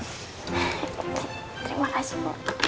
terima kasih puk